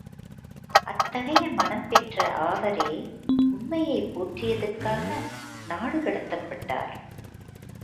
அத்தகைய மனம் பெற்ற ஆவரே உண்மையைப் போற்றியதற்காக நாடு கடத்தப்பட்டார்!